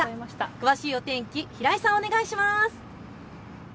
詳しいお天気平井さん、お願いします。